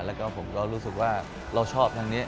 แล้วก็ผมก็รู้สึกว่าเราชอบทางนี้